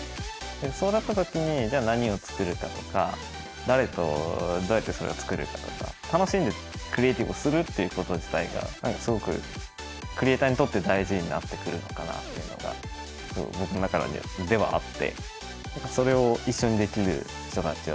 そうなった時にじゃあ何を作るかとか誰とどうやってそれを作るかとか楽しんでクリエイティブするっていうこと自体が何かすごくクリエイターにとって大事になってくるのかなっていうのが僕の中ではあって。